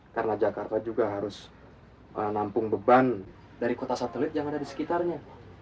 karena jakarta juga harus menampung beban dari kota satelit yang ada di sekitarnya